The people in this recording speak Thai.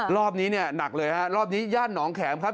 รอบนี้เนี่ยหนักเลยฮะรอบนี้ย่านหนองแขมครับ